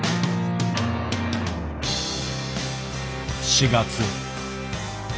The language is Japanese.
４月。